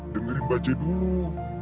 dengerin pak c dulu